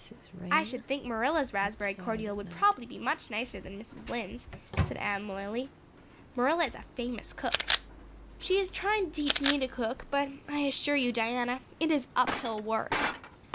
"I should think Marilla's raspberry cordial would prob'ly be much nicer than Mrs. Lynde's," said Anne loyally. "Marilla is a famous cook. She is trying to teach me to cook but I assure you, Diana, it is uphill work.